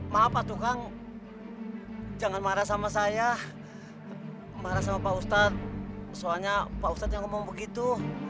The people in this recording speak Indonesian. maaf pak tukang jangan marah sama saya marah sama pak ustadz soalnya pak ustadz yang ngomong begitu